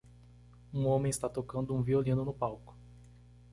Um homem está tocando um violino no palco.